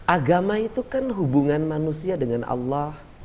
agama itu kan hubungan manusia dengan allah